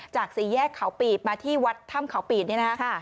สี่แยกเขาปีบมาที่วัดถ้ำเขาปีดนี่นะคะ